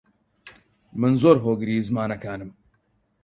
من زۆر هۆگری زمانەکانم.